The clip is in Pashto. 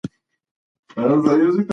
اقتصادي ونډه باید وڅېړل شي.